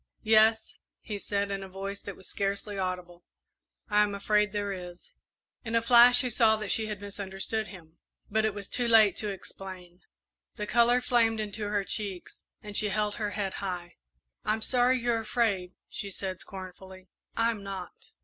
"Yes," he said, in a voice that was scarcely audible; "I am afraid there is." In a flash he saw that she had misunderstood him, but it was too late to explain. The colour flamed into her cheeks, and she held her head high. "I'm sorry you're afraid," she said, scornfully, "I'm not!"